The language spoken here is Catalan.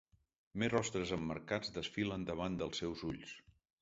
Més rostres emmarcats desfilen davant dels seus ulls.